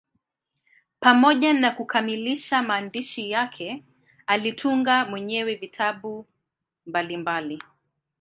Pamoja na kukamilisha maandishi yake, alitunga mwenyewe vitabu mbalimbali.